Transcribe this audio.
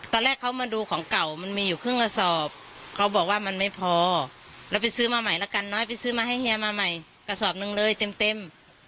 ตอนแรกเขามาดูของเก่ามันมีอยู่ครึ่งกระสอบเขาบอกว่ามันไม่พอเราไปซื้อมาใหม่ละกันน้อยไปซื้อมาให้เฮียมาใหม่กระสอบหนึ่งเลยเต็มเต็ม